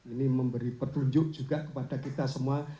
ini memberi petunjuk juga kepada kita semua